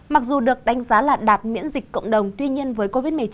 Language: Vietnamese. mặc dù được đánh giá là đạt miễn dịch cộng đồng tuy nhiên với covid một mươi chín